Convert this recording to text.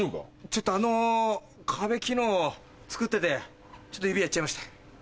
ちょっとあの壁昨日つくっててちょっと指やっちゃいました。